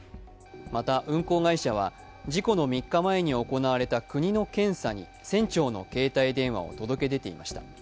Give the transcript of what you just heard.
また運航会社は事故の３日前に行われた国の検査に船長の携帯電話を届け出ていました。